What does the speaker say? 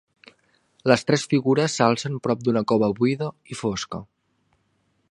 Les tres figures s'alcen prop d'una cova buida i fosca.